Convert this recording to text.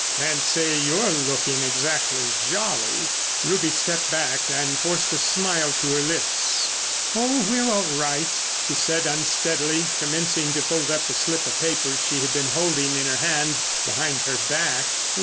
Can't say you're looking exactly jolly." Ruby stepped back and forced a smile to her lips. "Oh, we're all right!" she said unsteadily, commencing to fold up the slip of paper she had been holding in her hand behind her back.